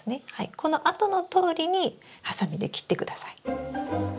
この跡のとおりにハサミで切ってください。